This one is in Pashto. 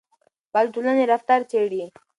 پارک د ټولنې رفتار څېړي.